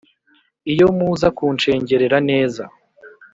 Iyo muza kunshengerera neza